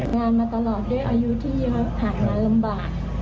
งานมาตลอดด้วยอายุที่เยอะหากนั้นลำบาก